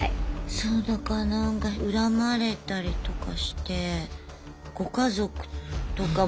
そうだからなんか恨まれたりとかしてご家族とかも。